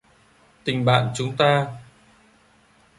Tình bạn chúng ta